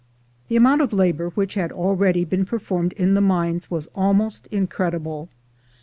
The amount of labor which had already been per formed in the mines was almost incredible.